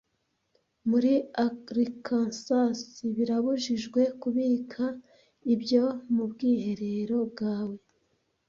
Muri Arkansas birabujijwe kubika ibyo mu bwiherero bwawe